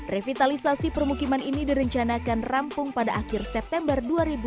revitalisasi permukiman ini direncanakan rampung pada akhir september dua ribu dua puluh